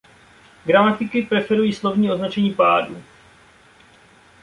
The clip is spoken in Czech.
Gramatiky preferují slovní označení pádů.